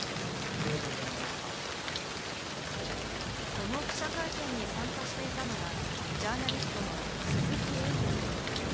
この記者会見に参加していたのがジャーナリストの鈴木エイトさん。